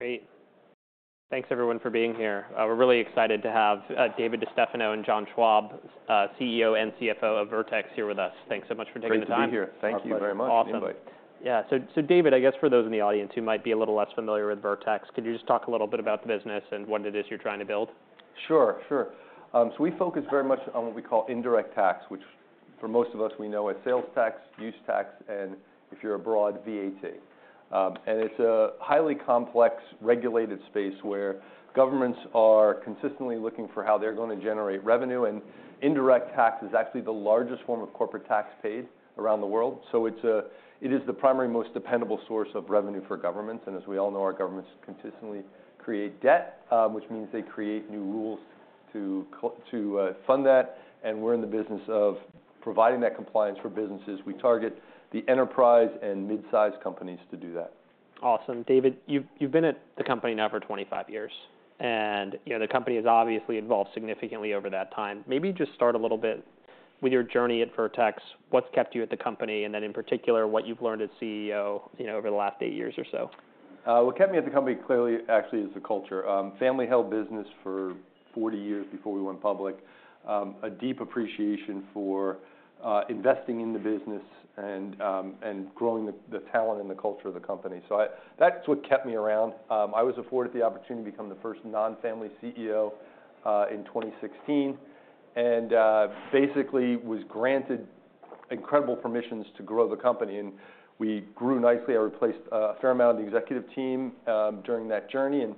Great! Thanks everyone for being here. We're really excited to have David DeStefano and John Schwab, CEO and CFO of Vertex, here with us. Thanks so much for taking the time. Great to be here. Our pleasure. Thank you very much for the invite. Awesome. Yeah, so David, I guess for those in the audience who might be a little less familiar with Vertex, could you just talk a little bit about the business and what it is you're trying to build? Sure, sure. So we focus very much on what we call indirect tax, which for most of us, we know as sales tax, use tax, and if you're abroad, VAT. And it's a highly complex, regulated space, where governments are consistently looking for how they're gonna generate revenue, and indirect tax is actually the largest form of corporate tax paid around the world. So it is the primary, most dependable source of revenue for governments. And as we all know, our governments consistently create debt, which means they create new rules to fund that, and we're in the business of providing that compliance for businesses. We target the enterprise and mid-size companies to do that. Awesome. David, you've been at the company now for 25 years, and, you know, the company has obviously evolved significantly over that time. Maybe just start a little bit with your journey at Vertex. What's kept you at the company, and then, in particular, what you've learned as CEO, you know, over the last 8 years or so? What kept me at the company, clearly, actually, is the culture. Family-held business for forty years before we went public. A deep appreciation for investing in the business and growing the talent and the culture of the company. So that's what kept me around. I was afforded the opportunity to become the first non-family CEO in 2016, and basically was granted incredible permissions to grow the company, and we grew nicely. I replaced a fair amount of the executive team during that journey, and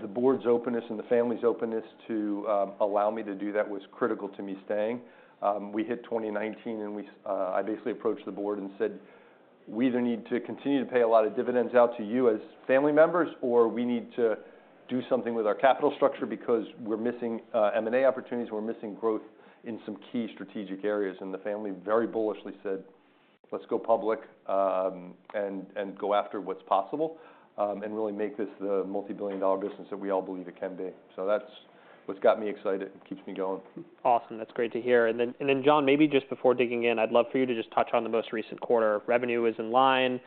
the board's openness and the family's openness to allow me to do that was critical to me staying. We hit 2019, and we s-I basically approached the board and said, "We either need to continue to pay a lot of dividends out to you as family members, or we need to do something with our capital structure because we're missing M&A opportunities, we're missing growth in some key strategic areas." And the family very bullishly said, "Let's go public, and go after what's possible, and really make this the multi-billion dollar business that we all believe it can be." So that's what's got me excited and keeps me going. Awesome. That's great to hear. John, maybe just before digging in, I'd love for you to just touch on the most recent quarter. Revenue is in line.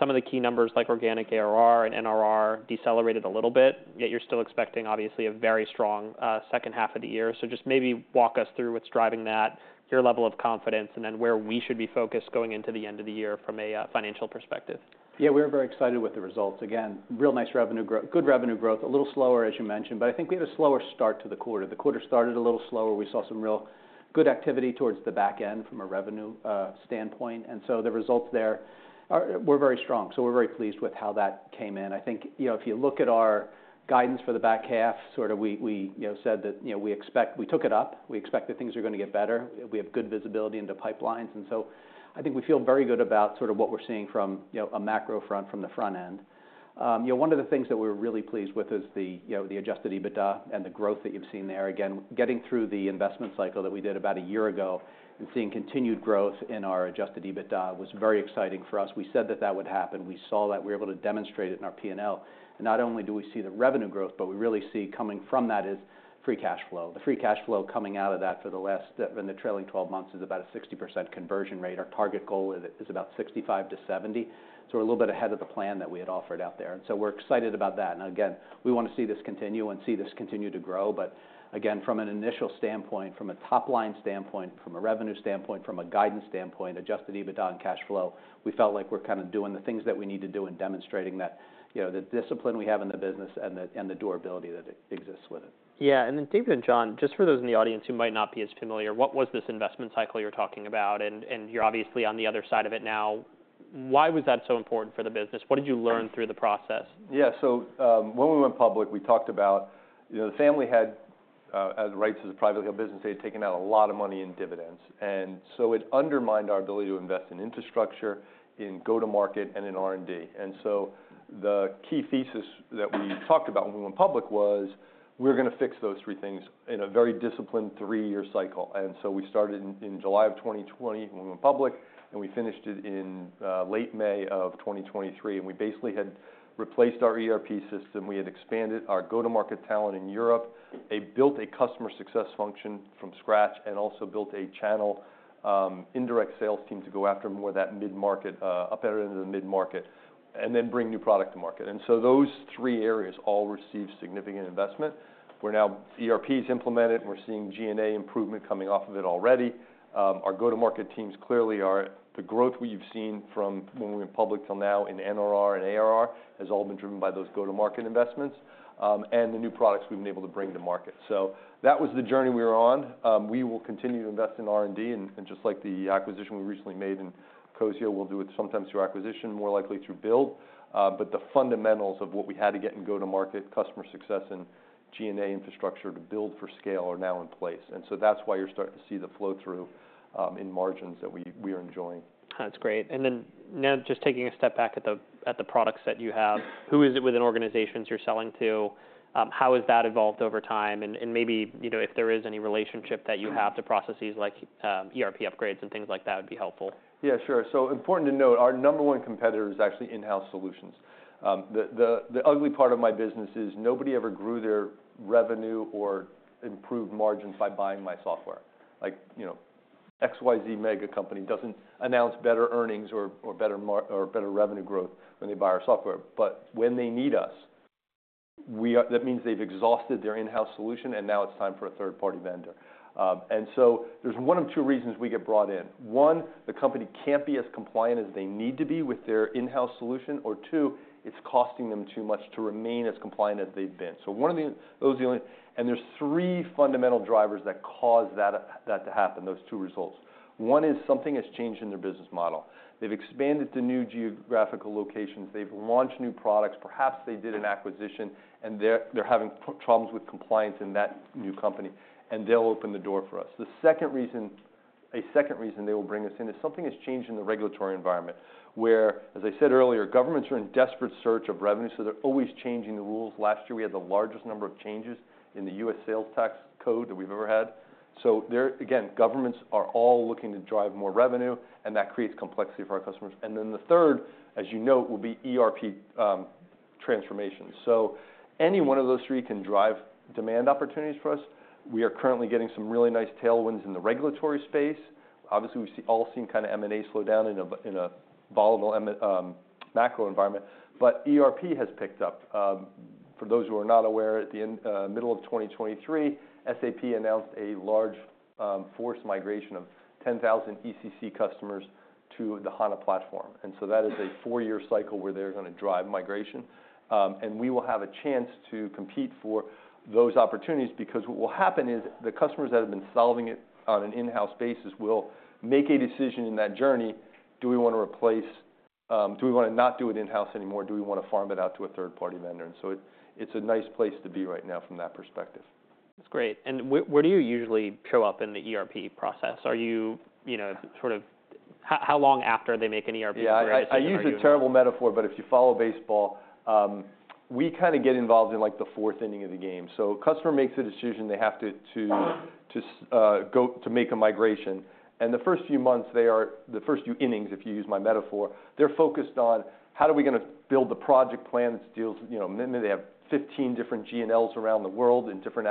Some of the key numbers, like organic ARR and NRR, decelerated a little bit, yet you're still expecting, obviously, a very strong second half of the year. So just maybe walk us through what's driving that, your level of confidence, and then where we should be focused going into the end of the year from a financial perspective. Yeah, we're veryexcited with the results. Again, real nice revenue growth - good revenue growth, a little slower, as you mentioned, but I think we had a slower start to the quarter. The quarter started a little slower. We saw some real good activity towards the back end from a revenue standpoint, and so the results there are - were very strong. So we're very pleased with how that came in. I think, you know, if you look at our guidance for the back half, sort of we, you know, said that, you know, we expect - we took it up. We expect that things are gonna get better. We have good visibility into pipelines. And so I think we feel very good about sort of what we're seeing from, you know, a macro front from the front end. You know, one of the things that we're really pleased with is the, you know, the adjusted EBITDA and the growth that you've seen there. Again, getting through the investment cycle that we did about a year ago and seeing continued growth in our adjusted EBITDA was very exciting for us. We said that that would happen. We saw that. We were able to demonstrate it in our P&L. And not only do we see the revenue growth, but we really see coming from that is free cash flow. The free cash flow coming out of that for the last, in the trailing 12 months is about a 60% conversion rate. Our target goal is about 65%-70%, so we're a little bit ahead of the plan that we had offered out there. And so we're excited about that. Again, we wanna see this continue and see this continue to grow. But again, from an initial standpoint, from a top-line standpoint, from a revenue standpoint, from a guidance standpoint, Adjusted EBITDA and cash flow, we felt like we're kind of doing the things that we need to do in demonstrating that, you know, the discipline we have in the business and the durability that exists with it. Yeah. And then, David and John, just for those in the audience who might not be as familiar, what was this investment cycle you're talking about? And you're obviously on the other side of it now. Why was that so important for the business? What did you learn through the process? Yeah. So, when we went public, we talked about. You know, the family had rights as a privately held business, they had taken out a lot of money in dividends, and so it undermined our ability to invest in infrastructure, in go-to-market, and in R&D. And so the key thesis that we talked about when we went public was, we're gonna fix those three things in a very disciplined three-year cycle. And so we started in July of 2020, when we went public, and we finished it in late May of 2023, and we basically had replaced our ERP system. We had expanded our go-to-market talent in Europe, built a customer success function from scratch, and also built a channel, indirect sales team to go after more of that mid-market, upper end of the mid-market, and then bring new product to market. And so those three areas all received significant investment. We're now ERP is implemented, and we're seeing G&A improvement coming off of it already. Our go-to-market teams clearly are. The growth we've seen from when we went public till now in NRR and ARR has all been driven by those go-to-market investments, and the new products we've been able to bring to market. So that was the journey we were on. We will continue to invest in R&D, and just like the acquisition we recently made in Ecosio, we'll do it sometimes through acquisition, more likely through build. But the fundamentals of what we had to get in go-to-market, customer success, and G&A infrastructure to build for scale are now in place, and so that's why you're starting to see the flow-through in margins that we are enjoying. That's great. And then, now just taking a step back at the, at the products that you have, who is it within organizations you're selling to? How has that evolved over time? And, and maybe, you know, if there is any relationship that you have to processes like, ERP upgrades and things like that, would be helpful. Yeah, sure. So important to note, our number one competitor is actually in-house solutions. The ugly part of my business is, nobody ever grew their revenue or improved margins by buying my software. Like, you know, XYZ mega company doesn't announce better earnings or better revenue growth when they buy our software. But when they need us, we are that means they've exhausted their in-house solution, and now it's time for a third-party vendor. And so there's one of two reasons we get brought in: one, the company can't be as compliant as they need to be with their in-house solution, or two, it's costing them too much to remain as compliant as they've been. So one of the, those are the only. And there's three fundamental drivers that cause that to happen, those two results. One is something has changed in their business model. They've expanded to new geographical locations. They've launched new products. Perhaps they did an acquisition, and they're having problems with compliance in that new company, and they'll open the door for us. The second reason. A second reason they will bring us in is something has changed in the regulatory environment, where, as I said earlier, governments are in desperate search of revenue, so they're always changing the rules. Last year, we had the largest number of changes in the US sales tax code than we've ever had. So there again, governments are all looking to drive more revenue, and that creates complexity for our customers. And then the third, as you know, will be ERP transformation. So any one of those three can drive demand opportunities for us. We are currently getting some really nice tailwinds in the regulatory space. Obviously, we've all seen kind of M&A slow down in a volatile macro environment, but ERP has picked up. For those who are not aware, in the middle of 2023, SAP announced a large forced migration of 10,000 ECC customers to the HANA platform. And so that is a four-year cycle where they're gonna drive migration. And we will have a chance to compete for those opportunities, because what will happen is, the customers that have been solving it on an in-house basis will make a decision in that journey: Do we want to replace? Do we want to not do it in-house anymore? Do we want to farm it out to a third-party vendor? And so it's a nice place to be right now from that perspective. That's great. And where do you usually show up in the ERP process? Are you, you know, how long after they make an ERP- Yeah, I use a terrible metaphor, but if you follow baseball, we kind of get involved in, like, the fourth inning of the game. So a customer makes a decision they have to make a migration, and the first few months, the first few innings, if you use my metaphor, they're focused on: How are we gonna build the project plan that deals with... You know, maybe they have fifteen different GLs around the world and different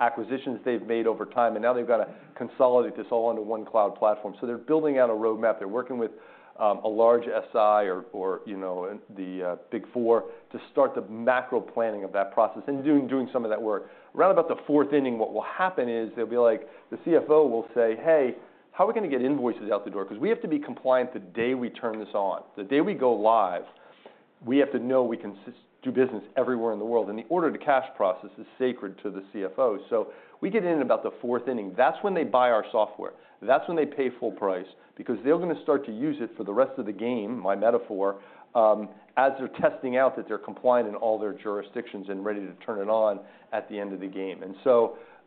acquisitions they've made over time, and now they've got to consolidate this all onto one cloud platform. So they're building out a roadmap. They're working with a large SI or you know, the Big Four to start the macro planning of that process and doing some of that work. Around about the fourth inning, what will happen is, they'll be like, the CFO will say, "Hey, how are we gonna get invoices out the door? Because we have to be compliant the day we turn this on. The day we go live, we have to know we can do business everywhere in the world." The order-to-cash process is sacred to the CFO. We get in about the fourth inning. That's when they buy our software. That's when they pay full price, because they're gonna start to use it for the rest of the game, my metaphor, as they're testing out that they're compliant in all their jurisdictions and ready to turn it on at the end of the game.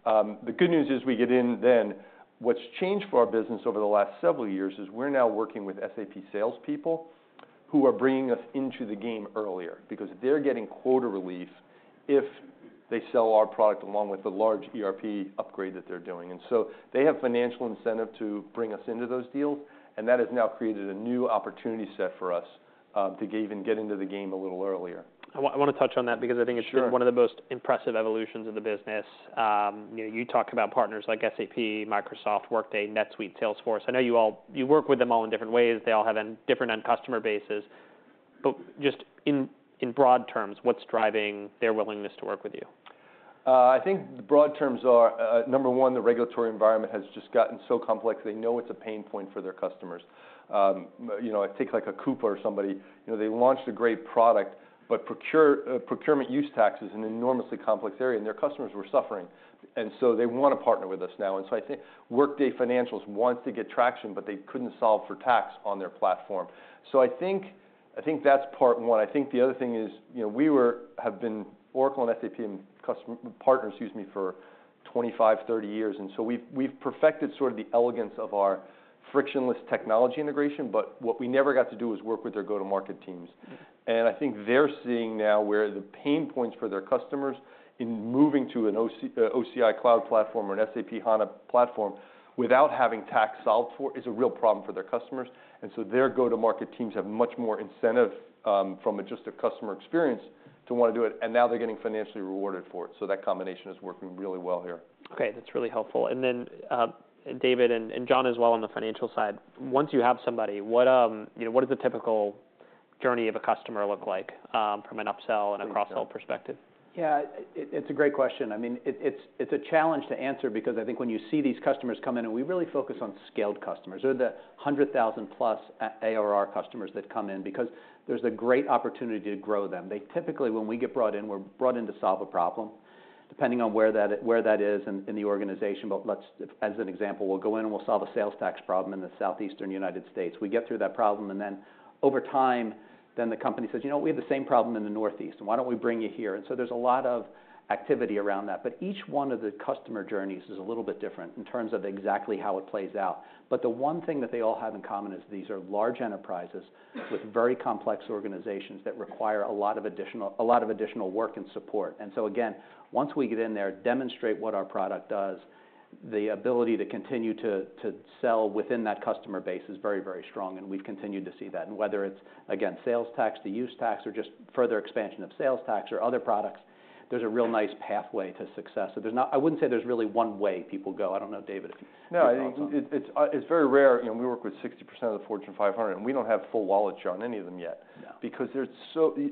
The good news is, we get in then. What's changed for our business over the last several years is, we're now working with SAP salespeople who are bringing us into the game earlier, because they're getting quota relief if they sell our product along with the large ERP upgrade that they're doing. And so they have financial incentive to bring us into those deals, and that has now created a new opportunity set for us, to even get into the game a little earlier. I want to touch on that because I think- Sure... it's been one of the most impressive evolutions of the business. You know, you talk about partners like SAP, Microsoft, Workday, NetSuite, Salesforce. I know you work with them all in different ways. They all have different end customer bases. But just in broad terms, what's driving their willingness to work with you? I think the broad terms are, number one, the regulatory environment has just gotten so complex. They know it's a pain point for their customers. You know, take, like, a Coupa or somebody. You know, they launched a great product, but procurement use tax is an enormously complex area, and their customers were suffering, and so they want to partner with us now. I think Workday Financials wants to get traction, but they couldn't solve for tax on their platform. So I think that's part one. I think the other thing is, you know, we have been Oracle and SAP partners, excuse me, for 25, 30 years, and so we've perfected sort of the elegance of our frictionless technology integration, but what we never got to do is work with their go-to-market teams. And I think they're seeing now where the pain points for their customers in moving to an OCI, OCI cloud platform or an SAP HANA platform without having tax solved for it, is a real problem for their customers. And so their go-to-market teams have much more incentive, from just a customer experience, to want to do it, and now they're getting financially rewarded for it, so that combination is working really well here. Okay, that's really helpful. And then, David, and John as well, on the financial side, once you have somebody, what, you know, what does the typical journey of a customer look like, from an upsell and a cross-sell perspective? Yeah, it's a great question. I mean, it's a challenge to answer because I think when you see these customers come in, and we really focus on scaled customers or the hundred thousand plus ARR customers that come in, because there's a great opportunity to grow them. They typically, when we get brought in, we're brought in to solve a problem, depending on where that is in the organization. But as an example, we'll go in, and we'll solve a sales tax problem in the Southeastern United States. We get through that problem, and then over time, the company says, "You know, we have the same problem in the Northeast. Why don't we bring you here?" And so there's a lot of activity around that. But each one of the customer journeys is a little bit different in terms of exactly how it plays out. But the one thing that they all have in common is these are large enterprises with very complex organizations that require a lot of additional work and support. And so again, once we get in there, demonstrate what our product does-... the ability to continue to sell within that customer base is very, very strong, and we've continued to see that. And whether it's, again, sales tax, the use tax, or just further expansion of sales tax or other products, there's a real nice pathway to success. So there's not. I wouldn't say there's really one way people go. I don't know, David, if you want to- No, it's very rare, you know, we work with 60% of the Fortune 500, and we don't have full wallet share on any of them yet. No. Because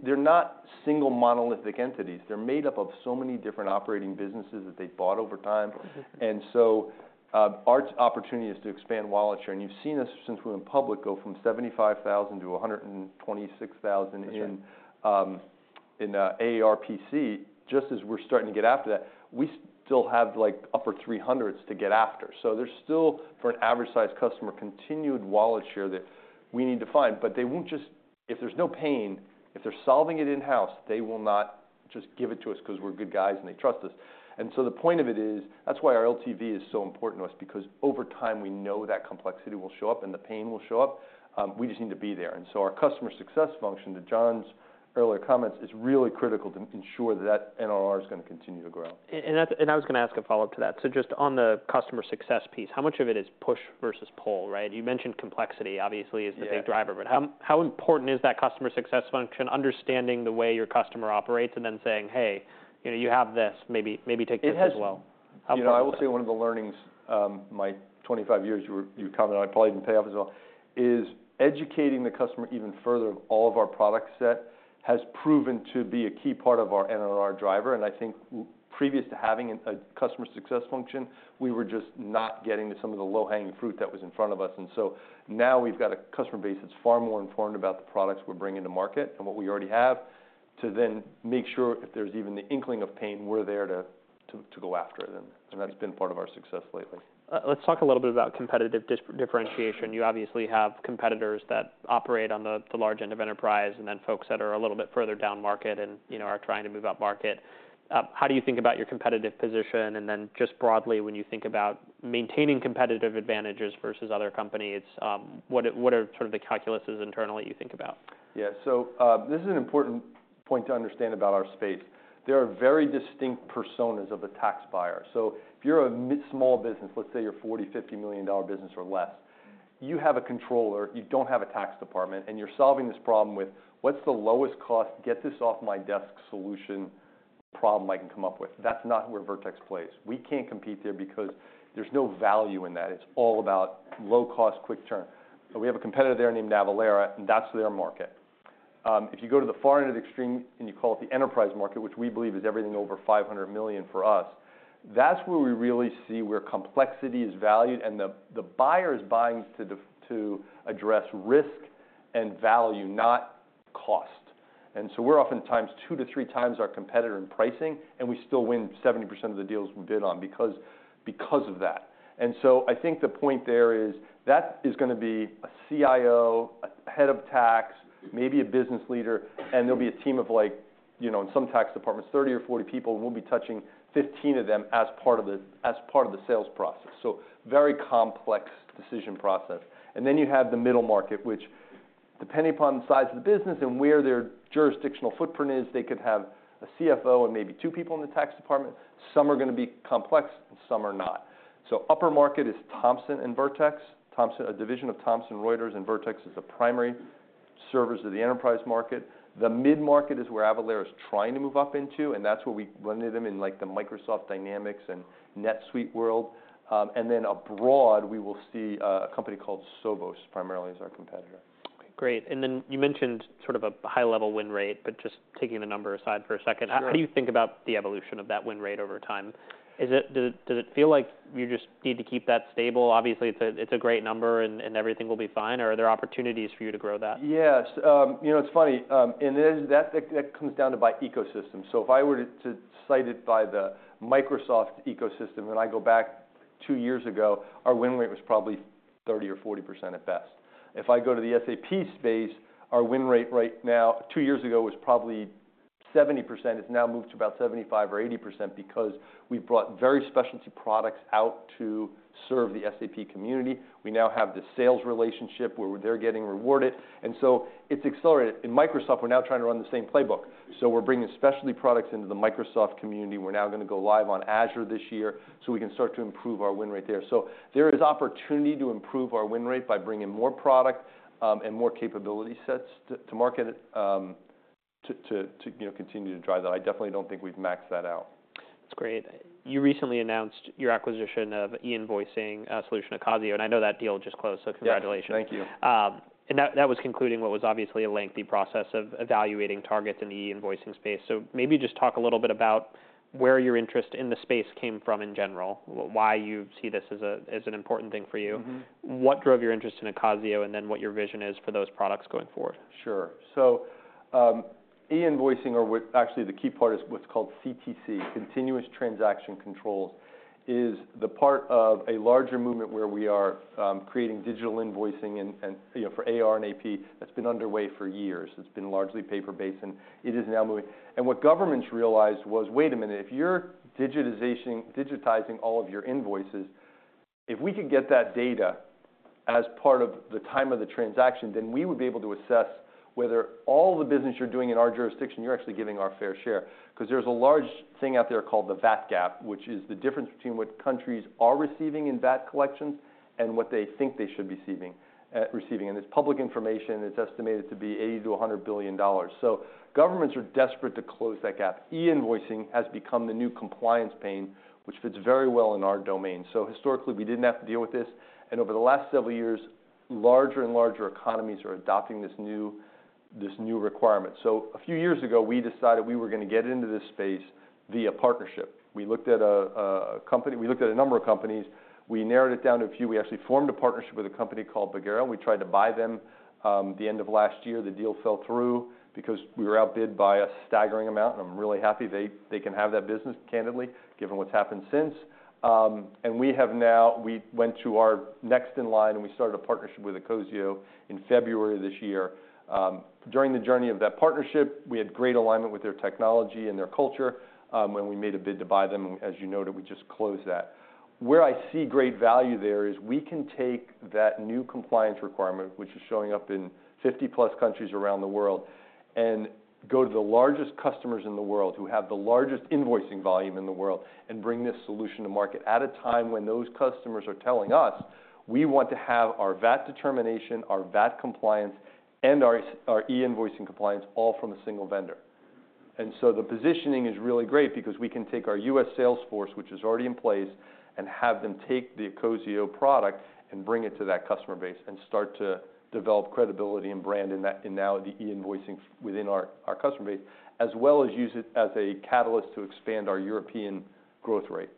they're not single monolithic entities. They're made up of so many different operating businesses that they've bought over time. Mm-hmm. And so, our opportunity is to expand wallet share, and you've seen us, since we're in public, go from $75,000-$126,000- That's right... in ARPC. Just as we're starting to get after that, we still have, like, upper three hundreds to get after. So there's still, for an average-sized customer, continued wallet share that we need to find, but they won't just... If there's no pain, if they're solving it in-house, they will not just give it to us 'cause we're good guys, and they trust us. And so the point of it is, that's why our LTV is so important to us, because over time, we know that complexity will show up, and the pain will show up. We just need to be there. And so our customer success function, to John's earlier comments, is really critical to ensure that that NRR is gonna continue to grow. I was gonna ask a follow-up to that. Just on the customer success piece, how much of it is push versus pull, right? You mentioned complexity, obviously, is the... Yeah... big driver, but how, how important is that customer success function, understanding the way your customer operates and then saying, "Hey, you know, you have this, maybe, maybe take this as well? It has- How important is it? You know, I will say one of the learnings of my 25 years, you commented, I probably even pay off as well, is educating the customer even further of all of our product set, has proven to be a key part of our NRR driver, and I think previous to having a customer success function, we were just not getting to some of the low-hanging fruit that was in front of us. And so now we've got a customer base that's far more informed about the products we're bringing to market and what we already have, to then make sure if there's even the inkling of pain, we're there to go after it then. Right. That's been part of our success lately. Let's talk a little bit about competitive differentiation. You obviously have competitors that operate on the large end of enterprise, and then folks that are a little bit further down market and, you know, are trying to move up market. How do you think about your competitive position? And then just broadly, when you think about maintaining competitive advantages versus other companies, what are sort of the calculuses internally you think about? Yeah. So, this is an important point to understand about our space. There are very distinct personas of the tax buyer. So if you're a mid small business, let's say you're a $40 million-$50 million business or less, you have a controller, you don't have a tax department, and you're solving this problem with: What's the lowest cost, get this off my desk solution, problem I can come up with? That's not where Vertex plays. We can't compete there because there's no value in that. It's all about low cost, quick turn. But we have a competitor there named Avalara, and that's their market. If you go to the far end of the extreme, and you call it the enterprise market, which we believe is everything over $500 million for us, that's where we really see where complexity is valued and the buyer is buying to address risk and value, not cost. And so we're oftentimes two to three times our competitor in pricing, and we still win 70% of the deals we bid on because of that. And so I think the point there is, that is gonna be a CIO, a head of tax, maybe a business leader, and there'll be a team of like, you know, in some tax departments, 30 or 40 people, we'll be touching 15 of them as part of the sales process. So very complex decision process. And then you have the middle market, which depending upon the size of the business and where their jurisdictional footprint is, they could have a CFO and maybe two people in the tax department. Some are gonna be complex, and some are not. So upper market is Thomson and Vertex. Thomson, a division of Thomson Reuters, and Vertex is the primary servicer of the enterprise market. The mid-market is where Avalara is trying to move up into, and that's where we run into them in, like, the Microsoft Dynamics and NetSuite world. And then abroad, we will see a company called Sovos, primarily as our competitor. Great. And then you mentioned sort of a high-level win rate, but just taking the number aside for a second- Sure... how do you think about the evolution of that win rate over time? Is it, does it feel like you just need to keep that stable? Obviously, it's a, it's a great number, and everything will be fine, or are there opportunities for you to grow that? Yes. You know, it's funny, and then as that comes down to the ecosystem. So if I were to cite it by the Microsoft ecosystem, when I go back two years ago, our win rate was probably 30% or 40% at best. If I go to the SAP space, our win rate two years ago was probably 70%. It's now moved to about 75% or 80% because we've brought very specialty products out to serve the SAP community. We now have this sales relationship where they're getting rewarded, and so it's accelerated. In Microsoft, we're now trying to run the same playbook. So we're bringing specialty products into the Microsoft community. We're now gonna go live on Azure this year, so we can start to improve our win rate there. There is opportunity to improve our win rate by bringing more product, and more capability sets to you know continue to drive that. I definitely don't think we've maxed that out. That's great. You recently announced your acquisition of e-invoicing solution of Ecosio, and I know that deal just closed, so congratulations. Yeah. Thank you. And that was concluding what was obviously a lengthy process of evaluating targets in the e-invoicing space. So maybe just talk a little bit about where your interest in the space came from in general, why you see this as an important thing for you? Mm-hmm. What drove your interest in Ecosio, and then what your vision is for those products going forward? Sure. So, e-invoicing, actually, the key part is what's called CTC, Continuous Transaction Controls, is the part of a larger movement where we are creating digital invoicing and, you know, for AR and AP that's been underway for years. It's been largely paper-based, and it is now moving. And what governments realized was, wait a minute, if you're digitizing all of your invoices. If we could get that data as part of the time of the transaction, then we would be able to assess whether all the business you're doing in our jurisdiction, you're actually giving our fair share. 'Cause there's a large thing out there called the VAT gap, which is the difference between what countries are receiving in VAT collections and what they think they should be receiving, receiving. It's public information, and it's estimated to be $80 billion-$100 billion. Governments are desperate to close that gap. E-invoicing has become the new compliance pain, which fits very well in our domain. Historically, we didn't have to deal with this, and over the last several years, larger and larger economies are adopting this new requirement. A few years ago, we decided we were gonna get into this space via partnership. We looked at a number of companies. We narrowed it down to a few. We actually formed a partnership with a company called Pagero. We tried to buy them, the end of last year. The deal fell through because we were outbid by a staggering amount, and I'm really happy. They can have that business, candidly, given what's happened since. And we have now, we went to our next in line, and we started a partnership with Ecosio in February this year. During the journey of that partnership, we had great alignment with their technology and their culture, when we made a bid to buy them, and as you noted, we just closed that. Where I see great value there is we can take that new compliance requirement, which is showing up in fifty plus countries around the world, and go to the largest customers in the world, who have the largest invoicing volume in the world, and bring this solution to market at a time when those customers are telling us, "We want to have our VAT determination, our VAT compliance, and our e-invoicing compliance all from a single vendor." And so the positioning is really great because we can take our US sales force, which is already in place, and have them take the Ecosio product and bring it to that customer base and start to develop credibility and brand in that, and now the e-invoicing within our customer base, as well as use it as a catalyst to expand our European growth rate.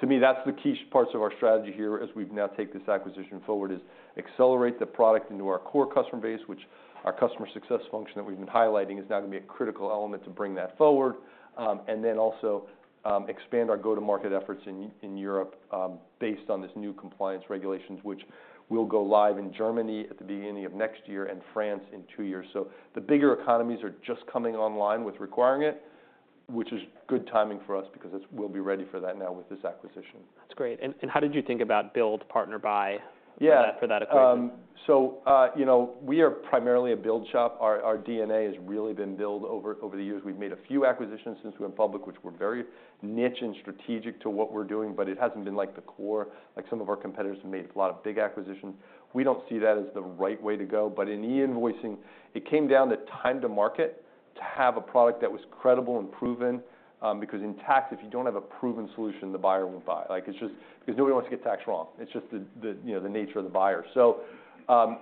To me, that's the key parts of our strategy here as we now take this acquisition forward, is accelerate the product into our core customer base, which our customer success function that we've been highlighting, is now gonna be a critical element to bring that forward. And then also, expand our go-to-market efforts in Europe, based on this new compliance regulations, which will go live in Germany at the beginning of next year and France in two years. So the bigger economies are just coming online with requiring it, which is good timing for us because it's. We'll be ready for that now with this acquisition. That's great. And how did you think about build, partner, buy- Yeah... for that, for that acquisition? So, you know, we are primarily a build shop. Our DNA has really been building over the years. We've made a few acquisitions since we went public, which were very niche and strategic to what we're doing, but it hasn't been, like, the core, like some of our competitors, who made a lot of big acquisitions. We don't see that as the right way to go. But in e-invoicing, it came down to time to market, to have a product that was credible and proven. Because in tax, if you don't have a proven solution, the buyer won't buy. Like, it's just because nobody wants to get tax wrong. It's just the, you know, the nature of the buyer. So,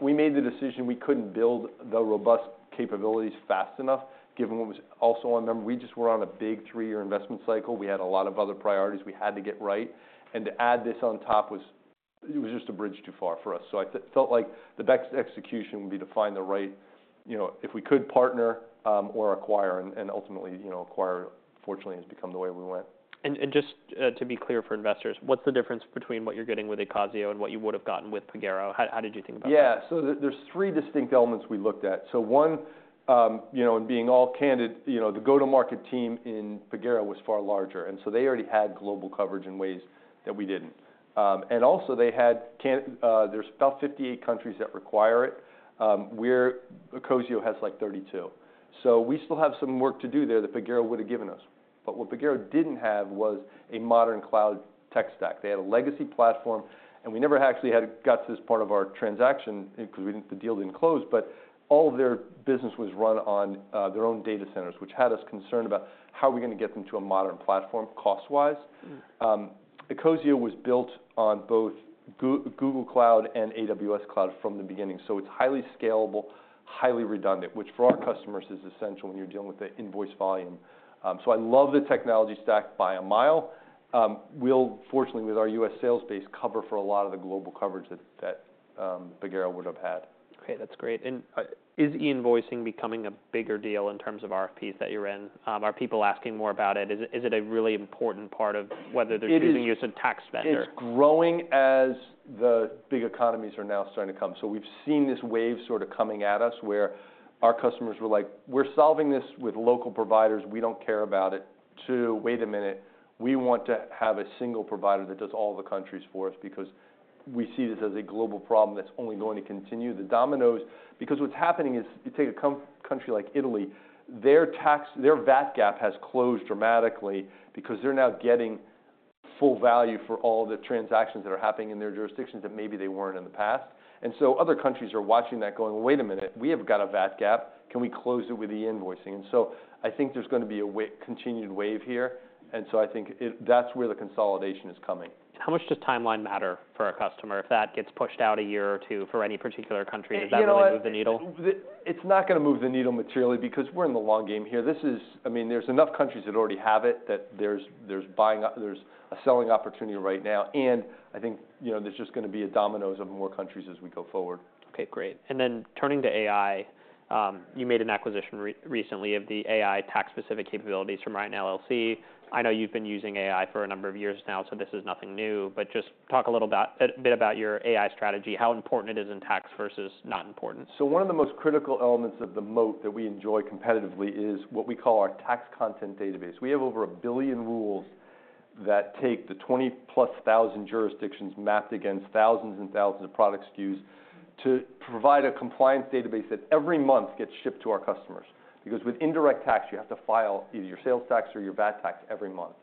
we made the decision we couldn't build the robust capabilities fast enough, given what was also on them. We just were on a big three-year investment cycle. We had a lot of other priorities we had to get right, and to add this on top was. It was just a bridge too far for us. So I felt like the best execution would be to find the right. You know, if we could partner or acquire and ultimately, you know, acquire, fortunately, has become the way we went. Just to be clear for investors, what's the difference between what you're getting with Ecosio and what you would've gotten with Pagero? How did you think about that? Yeah. So there, there's three distinct elements we looked at. So one, you know, and being all candid, you know, the go-to-market team in Pagero was far larger, and so they already had global coverage in ways that we didn't. And also they had, there's about 58 countries that require it. Ecosio has, like, 32. So we still have some work to do there that Pagero would've given us, but what Pagero didn't have was a modern cloud tech stack. They had a legacy platform, and we never actually had got to this part of our transaction because we didn't, the deal didn't close, but all of their business was run on their own data centers, which had us concerned about how we're gonna get them to a modern platform cost-wise. Mm. Ecosio was built on both Google Cloud and AWS Cloud from the beginning, so it's highly scalable, highly redundant, which for our customers, is essential when you're dealing with the invoice volume, so I love the technology stack by a mile. We'll fortunately, with our US sales base, cover for a lot of the global coverage that Pagero would have had. Okay, that's great. And, is e-invoicing becoming a bigger deal in terms of RFPs that you're in? Are people asking more about it? Is it a really important part of whether- It is... they're choosing you as a tax vendor? It's growing as the big economies are now starting to come. So we've seen this wave sort of coming at us, where our customers were like, "We're solving this with local providers. We don't care about it," to, "Wait a minute, we want to have a single provider that does all the countries for us," because we see this as a global problem that's only going to continue, the dominoes. Because what's happening is, you take a country like Italy, their tax, their VAT gap has closed dramatically because they're now getting full value for all the transactions that are happening in their jurisdictions that maybe they weren't in the past. And so other countries are watching that going, "Wait a minute, we have got a VAT gap. Can we close it with e-invoicing?" And so I think there's gonna be a continued wave here, and so I think it's where the consolidation is coming. How much does timeline matter for a customer if that gets pushed out a year or two for any particular country? You know what? Does that really move the needle? It's not gonna move the needle materially because we're in the long game here. This is... I mean, there's enough countries that already have it, that there's buying, there's a selling opportunity right now. And I think, you know, there's just gonna be a dominoes of more countries as we go forward. Okay, great. And then, turning to AI, you made an acquisition recently of the AI tax-specific capabilities from Ryan, LLC. I know you've been using AI for a number of years now, so this is nothing new, but talk a little about, a bit about your AI strategy, how important it is in tax versus not important? So one of the most critical elements of the moat that we enjoy competitively is what we call our tax content database. We have over a billion rules that take the 20-plus thousand jurisdictions mapped against thousands and thousands of product SKUs, to provide a compliance database that every month gets shipped to our customers. Because with indirect tax, you have to file either your sales tax or your VAT tax every month.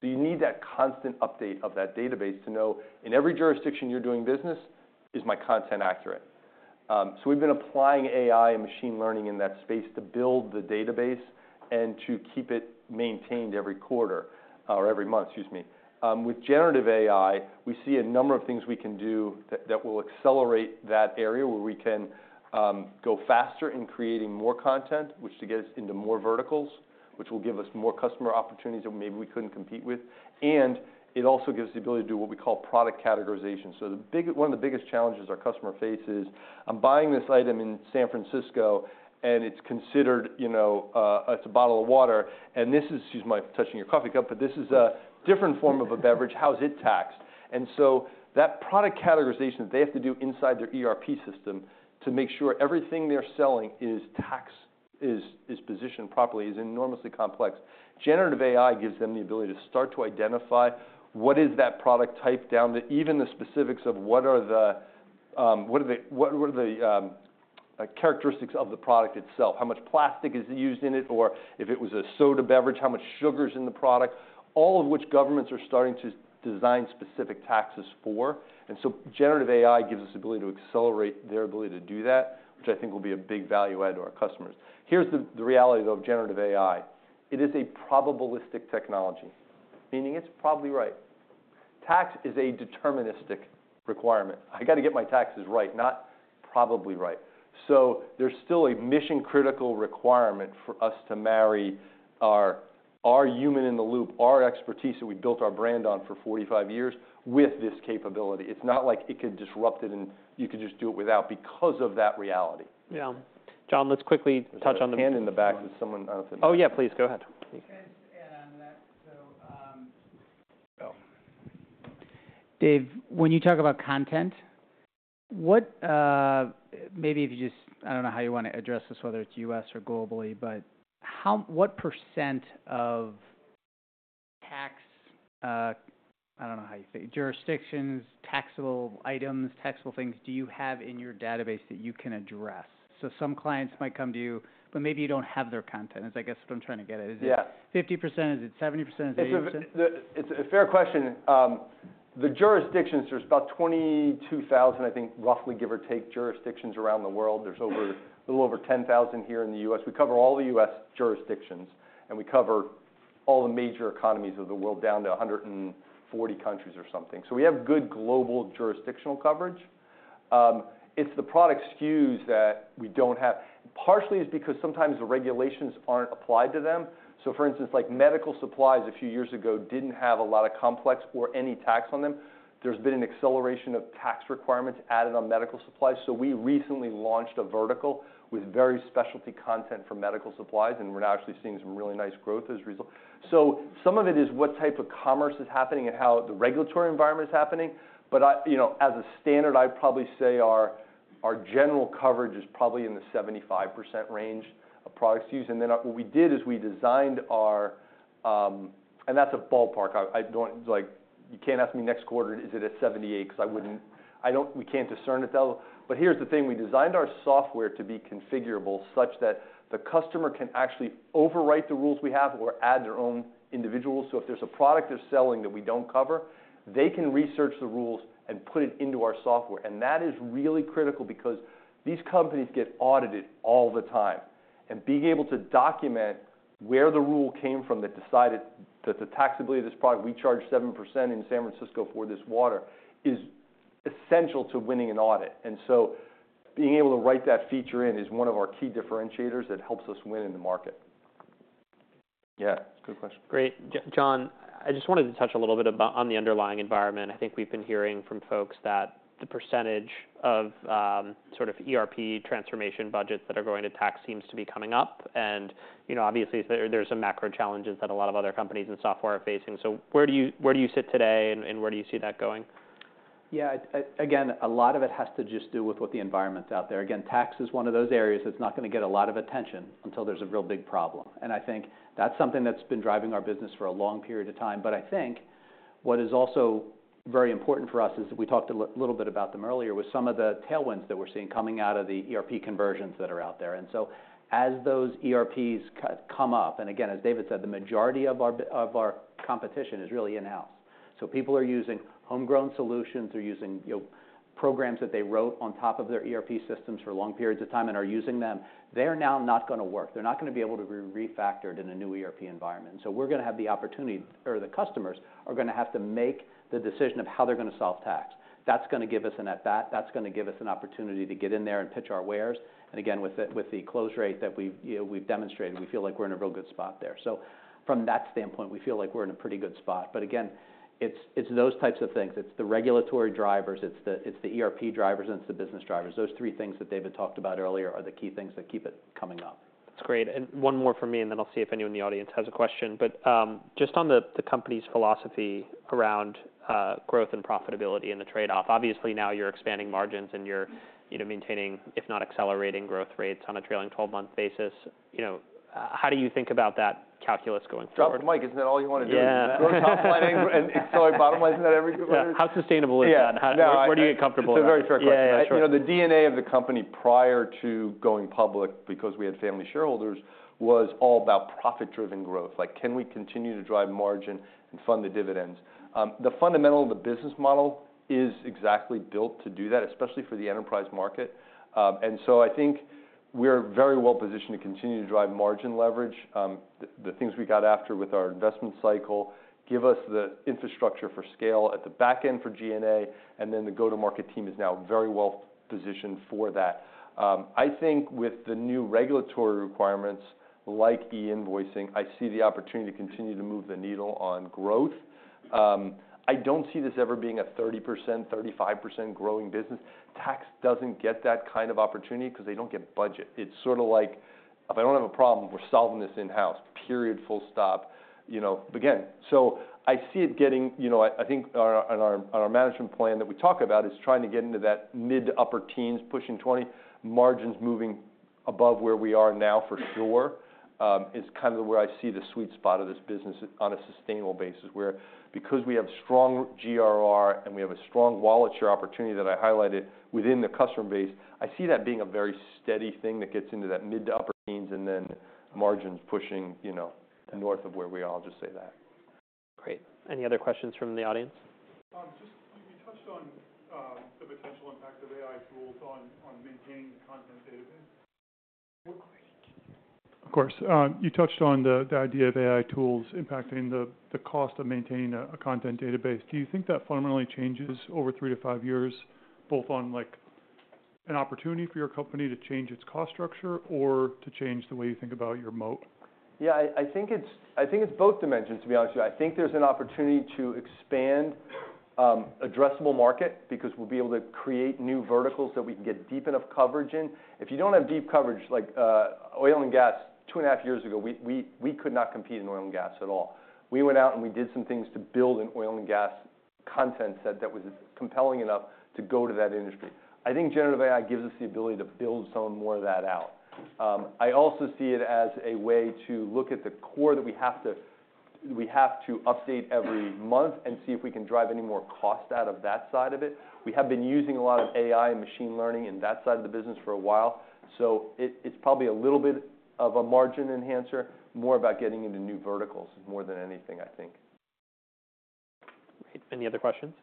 So you need that constant update of that database to know, in every jurisdiction you're doing business, is my content accurate? So we've been applying AI and machine learning in that space to build the database and to keep it maintained every quarter or every month, excuse me. With generative AI, we see a number of things we can do that will accelerate that area, where we can go faster in creating more content, which should get us into more verticals, which will give us more customer opportunities that maybe we couldn't compete with, and it also gives the ability to do what we call product categorization. So one of the biggest challenges our customer faces, I'm buying this item in San Francisco, and it's considered, you know, it's a bottle of water, and this is... Excuse my touching your coffee cup, but this is a different form of a beverage. How is it taxed? And so that product categorization, they have to do inside their ERP system to make sure everything they're selling is positioned properly, is enormously complex. Generative AI gives them the ability to start to identify what is that product type, down to even the specifics of what are the characteristics of the product itself? How much plastic is used in it, or if it was a soda beverage, how much sugar is in the product? All of which governments are starting to design specific taxes for. And so generative AI gives us the ability to accelerate their ability to do that, which I think will be a big value add to our customers. Here's the reality, though, of generative AI: It is a probabilistic technology, meaning it's probably right. Tax is a deterministic requirement. I got to get my taxes right, not probably right. There's still a mission-critical requirement for us to marry our human in the loop, our expertise that we built our brand on for 45 years with this capability. It's not like it could disrupt it, and you could just do it without, because of that reality. Yeah. John, let's quickly touch on the- There's someone in the back. There's someone I don't see. Oh, yeah, please go ahead. Just to add on that. So, Dave, when you talk about content, what, maybe if you just, I don't know how you want to address this, whether it's U.S. or globally, but what % of tax, I don't know how you say, jurisdictions, taxable items, taxable things, do you have in your database that you can address? So some clients might come to you, but maybe you don't have their content, is I guess what I'm trying to get at. Yeah. Is it 50%? Is it 70%? Is it 80%? It's a fair question. The jurisdictions, there's about 22,000, I think, roughly, give or take, jurisdictions around the world. There's a little over 10,000 here in the U.S. We cover all the U.S. jurisdictions, and we cover all the major economies of the world, down to 140 countries or something. So we have good global jurisdictional coverage. It's the product SKUs that we don't have. Partially, it's because sometimes the regulations aren't applied to them. So for instance, like, medical supplies, a few years ago, didn't have a lot of complex or any tax on them. There's been an acceleration of tax requirements added on medical supplies, so we recently launched a vertical with very specialty content for medical supplies, and we're now actually seeing some really nice growth as a result. So some of it is what type of commerce is happening and how the regulatory environment is happening, but I, you know, as a standard, I'd probably say our general coverage is probably in the 75% range of product SKUs. And that's a ballpark. I don't. Like, you can't ask me next quarter, "Is it at 78%?" Because I wouldn't. We can't discern it, though. But here's the thing, we designed our software to be configurable such that the customer can actually overwrite the rules we have or add their own individual. So if there's a product they're selling that we don't cover, they can research the rules and put it into our software. That is really critical because these companies get audited all the time, and being able to document where the rule came from, that decided that the taxability of this product, we charge 7% in San Francisco for this water, is essential to winning an audit. Being able to write that feature in is one of our key differentiators that helps us win in the market. Yeah, good question. Great. John, I just wanted to touch a little bit about on the underlying environment. I think we've been hearing from folks that the percentage of sort of ERP transformation budgets that are going to tax seems to be coming up, and you know, obviously, there, there's some macro challenges that a lot of other companies and software are facing. So where do you sit today, and where do you see that going? Yeah, again, a lot of it has to just do with what the environment's out there. Again, tax is one of those areas that's not gonna get a lot of attention until there's a real big problem. And I think that's something that's been driving our business for a long period of time. But I think what is also very important for us is, we talked a little bit about them earlier, was some of the tailwinds that we're seeing coming out of the ERP conversions that are out there. And so, as those ERPs come up, and again, as David said, the majority of our of our competition is really in-house. So people are using homegrown solutions, they're using, you know, programs that they wrote on top of their ERP systems for long periods of time and are using them. They are now not gonna work. They're not gonna be able to be refactored in a new ERP environment. So we're gonna have the opportunity, or the customers are gonna have to make the decision of how they're gonna solve tax. That's gonna give us an at bat, that's gonna give us an opportunity to get in there and pitch our wares. And again, with the, with the close rate that we've, you know, we've demonstrated, we feel like we're in a real good spot there. So from that standpoint, we feel like we're in a pretty good spot. But again, it's, it's those types of things. It's the regulatory drivers, it's the, it's the ERP drivers, and it's the business drivers. Those three things that David talked about earlier are the key things that keep it coming up.... That's great. And one more from me, and then I'll see if anyone in the audience has a question. But, just on the company's philosophy around growth and profitability and the trade-off. Obviously, now you're expanding margins and you're, you know, maintaining, if not accelerating, growth rates on a trailing twelve-month basis. You know, how do you think about that calculus going forward? Drop the mic, isn't that all you want to do? Yeah. You're top lining and accelerating bottom line. Isn't that every- How sustainable is it? Yeah, no, I- Where do you get comfortable? It's a very fair question. Yeah, sure. You know, the DNA of the company prior to going public, because we had family shareholders, was all about profit-driven growth. Like, can we continue to drive margin and fund the dividends? The fundamental of the business model is exactly built to do that, especially for the enterprise market. And so I think we're very well positioned to continue to drive margin leverage. The things we got after with our investment cycle give us the infrastructure for scale at the back end for G&A, and then the go-to-market team is now very well positioned for that. I think with the new regulatory requirements, like e-invoicing, I see the opportunity to continue to move the needle on growth. I don't see this ever being a 30%-35% growing business. Tax doesn't get that kind of opportunity 'cause they don't get budget. It's sort of like, "If I don't have a problem, we're solving this in-house," period, full stop. You know, again, so I see it getting... You know, I think our management plan that we talk about is trying to get into that mid to upper teens, pushing 20, margins moving above where we are now for sure, is kind of where I see the sweet spot of this business on a sustainable basis. Where because we have strong NRR and we have a strong wallet share opportunity that I highlighted within the customer base, I see that being a very steady thing that gets into that mid to upper teens, and then margins pushing, you know, north of where we are. I'll just say that. Great. Any other questions from the audience? Just, you touched on the potential impact of AI tools on maintaining the content database. Of course. You touched on the idea of AI tools impacting the cost of maintaining a content database. Do you think that fundamentally changes over 3-5 years, both, like, on an opportunity for your company to change its cost structure or to change the way you think about your moat? Yeah, I think it's both dimensions, to be honest with you. I think there's an opportunity to expand addressable market because we'll be able to create new verticals that we can get deep enough coverage in. If you don't have deep coverage, like oil and gas two and a half years ago, we could not compete in oil and gas at all. We went out and we did some things to build an oil and gas content set that was compelling enough to go to that industry. I think generative AI gives us the ability to build some more of that out. I also see it as a way to look at the core that we have to update every month and see if we can drive any more cost out of that side of it. We have been using a lot of AI and machine learning in that side of the business for a while, so it's probably a little bit of a margin enhancer, more about getting into new verticals more than anything, I think. Great. Any other questions?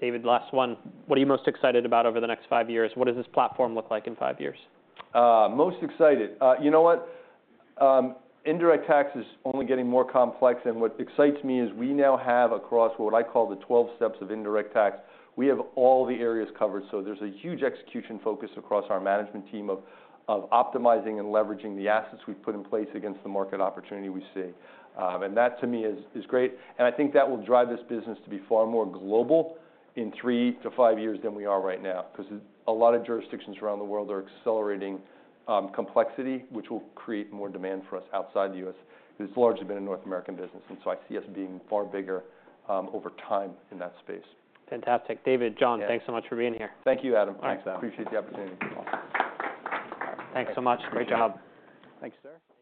David, last one. What are you most excited about over the next five years? What does this platform look like in five years? Most excited. You know what? Indirect tax is only getting more complex, and what excites me is we now have across what I call the 12 steps of indirect tax, we have all the areas covered. So there's a huge execution focus across our management team of optimizing and leveraging the assets we've put in place against the market opportunity we see. And that to me is great, and I think that will drive this business to be far more global in 3-5 years than we are right now, 'cause a lot of jurisdictions around the world are accelerating complexity, which will create more demand for us outside the U.S. It's largely been a North American business, and so I see us being far bigger over time in that space. Fantastic. David, John- Yeah. Thanks so much for being here. Thank you, Adam. All right. Thanks. I appreciate the opportunity. Thanks so much. Great job. Thanks, sir.